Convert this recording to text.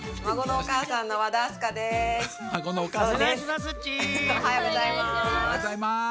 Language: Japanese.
おはようございます。